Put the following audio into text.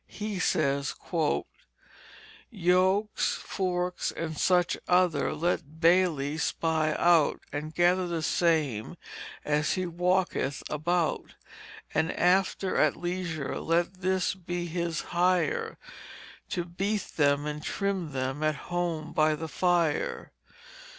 He says: "Yokes, forks, and such other let bailie spy out And gather the same as he walketh about; And after, at leisure, let this be his hire, To beath them and trim them at home by the fire."